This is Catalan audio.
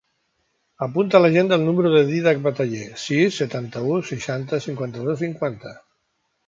Apunta a l'agenda el número del Dídac Bataller: sis, setanta-u, seixanta, cinquanta-dos, cinquanta.